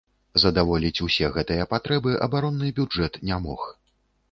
Задаволіць усе гэтыя патрэбы абаронны бюджэт не мог.